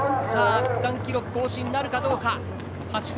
区間記録更新なるかどうか。